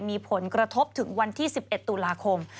มีผลกระทบถึงวันที่๑๑ตุลาคม